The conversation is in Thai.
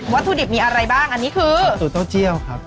ถุดิบมีอะไรบ้างอันนี้คือสูตรเต้าเจียวครับ